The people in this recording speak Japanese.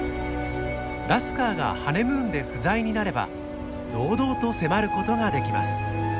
ラスカーがハネムーンで不在になれば堂々と迫ることができます。